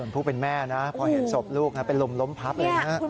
ส่วนเป็นผู้แม่พอเห็นโบสถ์ลูกเป็นลมล้มพับเลย